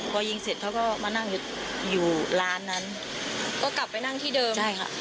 พอยิงเสร็จเขาก็มานั่งอยู่ร้านนั้นก็กลับไปนั่งที่เดิมใช่ค่ะ